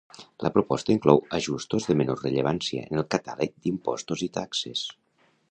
La proposta inclou ajustos de menor rellevància en el catàleg d’impostos i taxes.